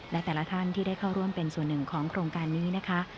และแต่ละท่านที่ได้เข้าร่วมเป็นส่วนหนึ่งของโครงการนี้นะคะ